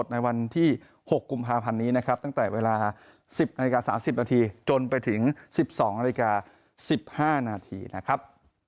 ๑๕นาทีนะครับ